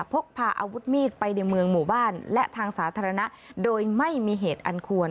พกพาอาวุธมีดไปในเมืองหมู่บ้านและทางสาธารณะโดยไม่มีเหตุอันควร